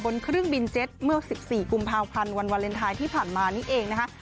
เครื่องบินเจ็ตเมื่อ๑๔กุมภาพันธ์วันวาเลนไทยที่ผ่านมานี่เองนะคะ